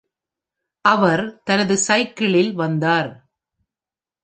அவர் தனது சைக்கிளில் வந்தார்.